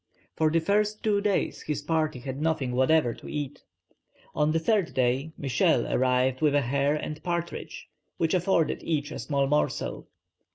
For the first two days his party had nothing whatever to eat. On the third day, Michel arrived with a hare and partridge, which afforded each a small morsel.